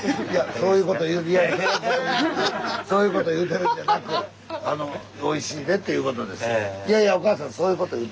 そういうこと言うてるんじゃなくあの「おいしいね」っていうことですよ。